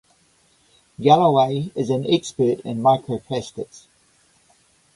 Galloway is an expert in microplastics.